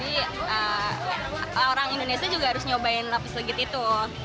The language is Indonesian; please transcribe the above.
jadi orang indonesia juga harus nyobain lapis legit itu